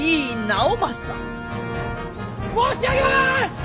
申し上げます！